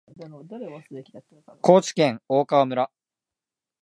高知県大川村